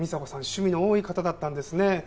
趣味の多い方だったんですね。